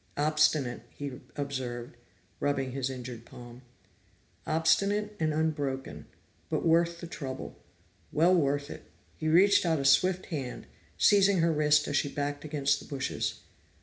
"Obstinate," he observed, rubbing his injured palm. "Obstinate and unbroken but worth the trouble. Well worth it!" He reached out a swift hand, seizing her wrist as she backed against the bushes.